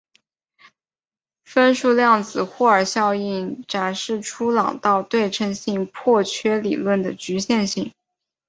分数量子霍尔效应展示出朗道对称性破缺理论的局限性。